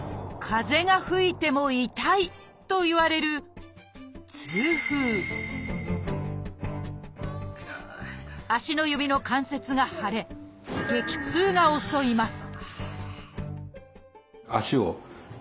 「風が吹いても痛い」といわれる足の指の関節が腫れ激痛が襲います